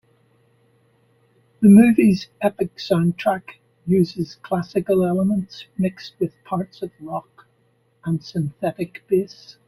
The movie's epic soundtrack uses classical elements mixed with parts of rock and synthetic bass.